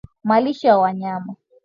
malisho ya wanyama